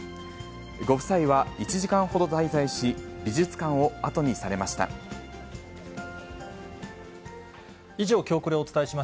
ご夫妻は１時間ほど滞在し、以上、きょうコレをお伝えし